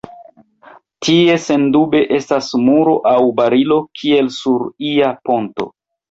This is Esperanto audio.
Tie sendube estas muro aŭ barilo, kiel sur ia ponto